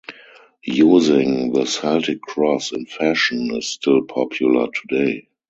Using the Celtic cross in fashion is still popular today.